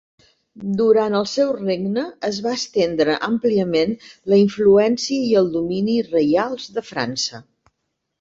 Durant el seu regne es va estendre àmpliament la influència i el domini reials de França.